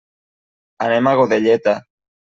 Anem a Godelleta.